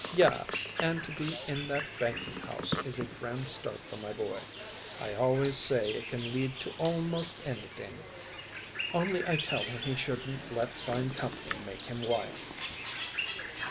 "Ya; and to be in that banking house is a grand start for my boy. I always say it can lead to almost anything. Only I tell him he shouldn't let fine company make him wild."